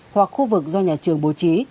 hoặc khu vực do nhà trường bố trí